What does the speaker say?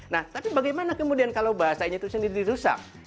nah tapi bagaimana kemudian kalau bahasanya itu sendiri dirusak